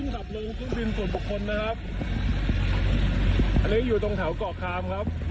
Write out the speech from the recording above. คุณผู้ชม